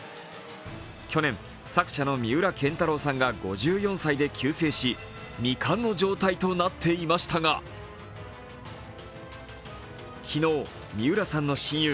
去年、作者の三浦建太郎さんが５４歳で急逝し未完の状態となっていましたが、昨日、三浦さんの親友、